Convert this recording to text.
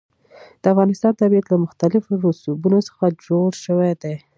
د افغانستان طبیعت له مختلفو رسوبونو څخه جوړ شوی دی.